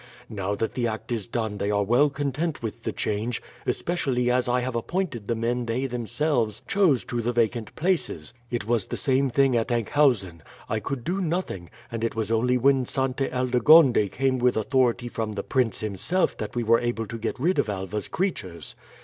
Now that the act is done they are well content with the change, especially as I have appointed the men they themselves chose to the vacant places. It was the same thing at Enkhuizen I could do nothing; and it was only when Sainte Aldegonde came with authority from the prince himself that we were able to get rid of Alva's creatures.